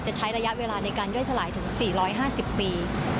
ใช้ระยะเวลาในการย่อยสลายถึง๔๕๐ปี